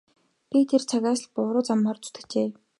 Би тэр цагаас л буруу замаар зүтгэжээ.